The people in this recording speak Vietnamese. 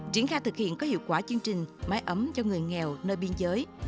triển khai thực hiện có hiệu quả chương trình máy ấm cho người nghèo nơi biên giới